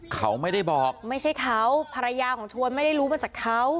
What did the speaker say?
เขาไม่ได้บอกไม่ใช่เขาภรรยาของชวนไม่ได้รู้มาจากเขา